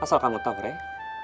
asal kamu tahu rey